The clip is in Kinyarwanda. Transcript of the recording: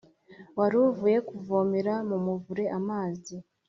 waruvuye kuvomera mumuvure amazi